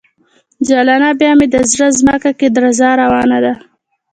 جلانه ! بیا مې د زړه ځمکه کې درزا روانه